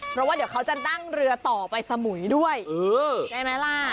เพราะว่าเดี๋ยวเขาจะนั่งเรือต่อไปสมุยด้วยใช่ไหมล่ะ